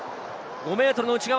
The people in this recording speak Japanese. ５ｍの内側。